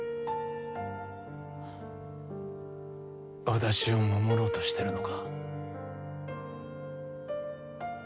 私を守ろうとしてるのか？